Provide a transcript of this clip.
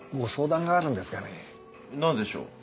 何でしょう？